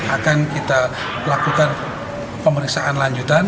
akan kita lakukan pemeriksaan lanjutan